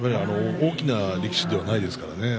大きな力士ではないですからね